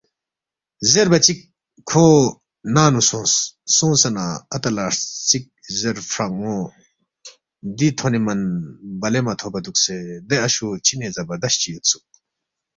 زیربا چِک کھو ننگ نُو سونگس، سونگسے نہ، اتا لہ ہرژِک زیرفان٘و دی تھونے من بلے مہ تھوبا دُوکسے، دے اشو چِنے زبردست چی یودسُوک